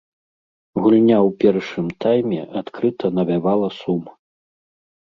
Гульня ў першым тайме адкрыта навявала сум.